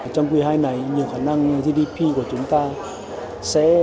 trong quý hai này nhiều khả năng gdp của chúng ta sẽ